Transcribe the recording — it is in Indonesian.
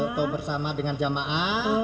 foto bersama dengan jamaah